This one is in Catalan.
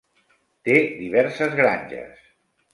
Té diverses granges.